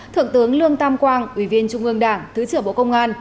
thượng tướng lương tam quang ủy viên trung ương đảng thứ trưởng bộ công an